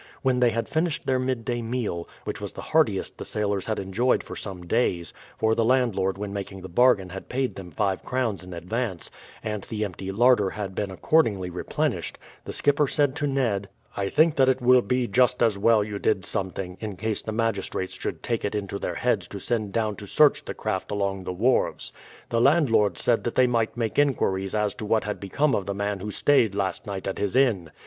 When they had finished their midday meal, which was the heartiest the sailors had enjoyed for some days, for the landlord when making the bargain had paid them five crowns in advance, and the empty larder had been accordingly replenished, the skipper said to Ned, "I think that it will be just as well you did something, in case the magistrates should take it into their heads to send down to search the craft along the wharves. The landlord said that they might make inquiries as to what had become of the man who stayed last night at his inn.